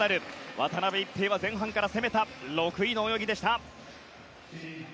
渡辺一平は前半から攻めた６位の泳ぎでした。